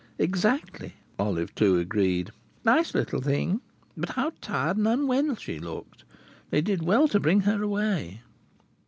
"Exactly!" Olive Two agreed. "Nice little thing! But how tired and unwell she looks! They did well to bring her away."